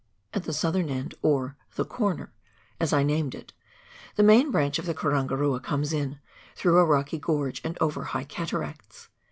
At the Southern end — or " The Corner," as I named it — the main branch of the Karangarua comes in, through a rocky gorge and over high cataracts.